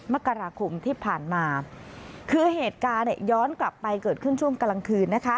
มกราคมที่ผ่านมาคือเหตุการณ์เนี่ยย้อนกลับไปเกิดขึ้นช่วงกลางคืนนะคะ